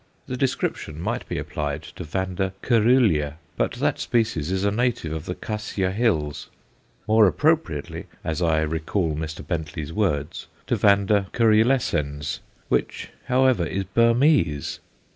The description might be applied to V. coerulea, but that species is a native of the Khasya hills; more appropriately, as I recall Mr. Bentley's words, to V. coerulescens, which, however, is Burmese.